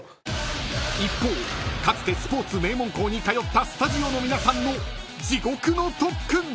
［一方かつてスポーツ名門校に通ったスタジオの皆さんの地獄の特訓］